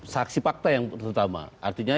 saksi fakta yang terutama artinya